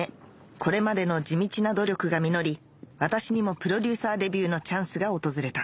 これまでの地道な努力が実り私にもプロデューサーデビューのチャンスが訪れた